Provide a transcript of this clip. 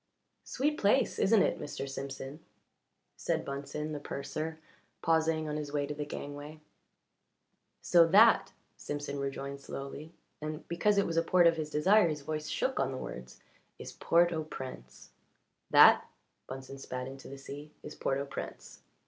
"Sweet place, isn't it, Mr. Simpson?" said Bunsen, the purser, pausing on his way to the gangway. "So that," Simpson rejoined slowly and because it was a port of his desire his voice shook on the words "is Port au Prince!" "That," Bunsen spat into the sea, "is Port au Prince."